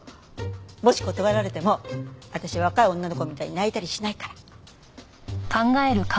もし断られても私若い女の子みたいに泣いたりしないから。